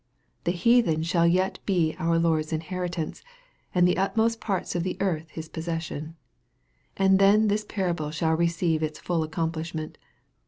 The heathen shall yet be our Lord's inheritance, and the utmost parts of the earth His possession. And then this parable shall receive its full accomplishment.